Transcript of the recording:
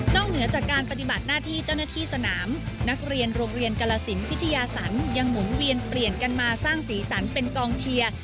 เหนือจากการปฏิบัติหน้าที่เจ้าหน้าที่สนามนักเรียนโรงเรียนกรสินพิทยาศรยังหมุนเวียนเปลี่ยนกันมาสร้างสีสันเป็นกองเชียร์